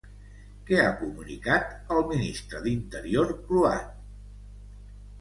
Què ha comunicat el ministre d'Interior croat?